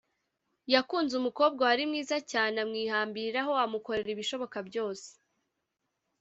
yakunze umukobwa wari mwiza cyane amwihambiraho amukorera ibishoboka byose